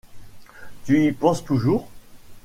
Tu y penses toujours?